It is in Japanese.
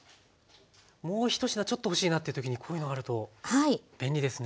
もう１品ちょっと欲しいなっていう時にこういうのがあると便利ですね。